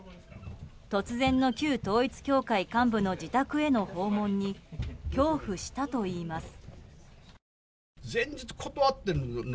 突然の旧統一教会幹部の自宅への訪問に恐怖したといいます。